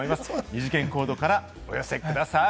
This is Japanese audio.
二次元コードからお寄せください。